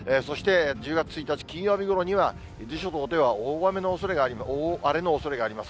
そして１０月１日金曜日ごろには、伊豆諸島では大荒れのおそれがあります。